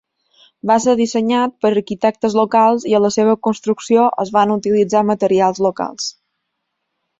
Va ser dissenyat per arquitectes locals i a la seva construcció es van utilitzar materials locals.